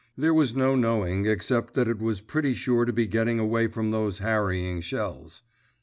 There was no knowing, except that it was pretty sure to be getting away from those harrying shells.